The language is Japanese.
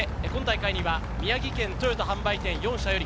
今大会には宮城県トヨタ販売店４社より